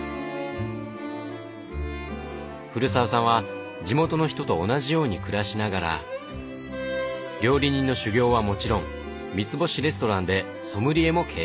古澤さんは地元の人と同じように暮らしながら料理人の修業はもちろん三つ星レストランでソムリエも経験。